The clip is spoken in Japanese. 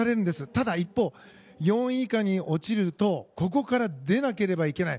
ただ、一方で４位以下に落ちるとここから、出なければいけない。